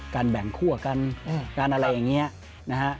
แบ่งคั่วกันการอะไรอย่างนี้นะฮะ